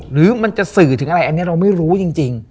หรือมันจะสื่อถึงอะไรอันนี้เราไม่รู้จริง